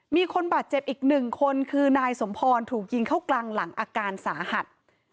มีคนบาดเจ็บอีกหนึ่งคนคือนายสมพรถูกยิงเข้ากลางหลังอาการสาหัส